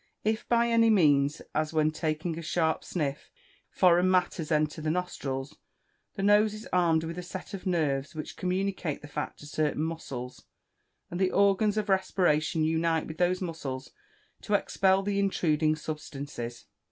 If by any means, as when taking a sharp sniff, foreign matters enter the nostrils, the nose is armed with a set of nerves which communicate the fact to certain muscles, and the organs of respiration unite with those muscles to expel the intruding substances.